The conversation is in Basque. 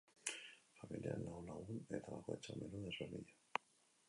Familian lau lagun eta bakoitzak menu desberdina.